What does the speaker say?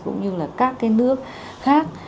cũng như là các đường bay